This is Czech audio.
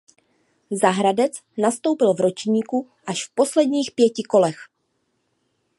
Za Hradec nastoupil v ročníku až v posledních pěti kolech.